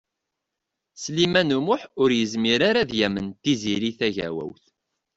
Sliman U Muḥ ur yezmir ara ad yamen Tiziri Tagawawt.